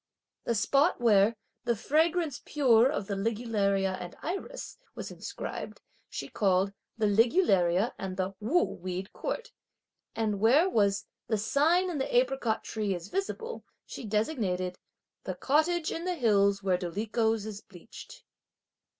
The spot where "the fragrance pure of the ligularia and iris," was inscribed, she called "the ligularia and the 'Wu' weed court;" and where was "the sign in the apricot tree is visible," she designated "the cottage in the hills where dolichos is bleached."